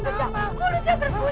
kamu yang bangun bunga itu